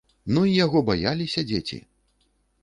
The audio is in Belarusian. Ну й яго баяліся дзеці!